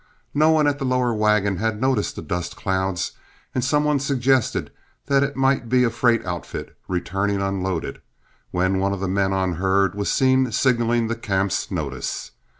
No one at the lower wagon had noticed the dust clouds, and some one suggested that it might be a freight outfit returning unloaded, when one of the men on herd was seen signaling the camp's notice.